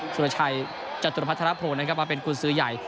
สุรชัยจตุรพัฒนภงนะครับมาเป็นกุญสือใหญ่